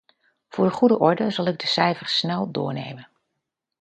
Voor de goede orde zal ik de cijfers snel doornemen.